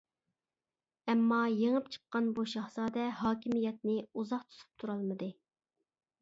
ئەمما يېڭىپ چىققان بۇ شاھزادە ھاكىمىيەتنى ئۇزاق تۇتۇپ تۇرالمىدى.